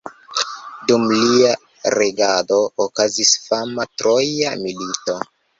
Dum lia regado okazis fama Troja milito.